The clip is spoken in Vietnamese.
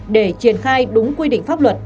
để triển khai đúng quy định pháp luật